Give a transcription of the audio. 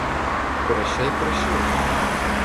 Прощай, прощай.